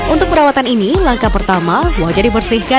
untuk perawatan ini langkah pertama wajah dibersihkan